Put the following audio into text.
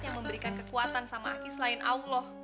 yang memberikan kekuatan sama aki selain allah